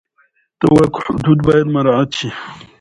د واک حدود باید مراعت شي.